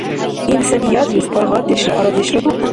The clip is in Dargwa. Инсаниятлис паргъатдешра арадешра дулгулра.